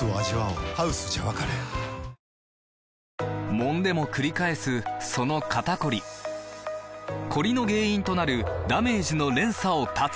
もんでもくり返すその肩こりコリの原因となるダメージの連鎖を断つ！